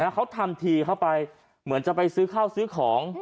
เขาทำทีเข้าไปเหมือนจะไปซื้อข้าวซื้อของ